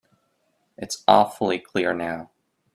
It's awfully clear now.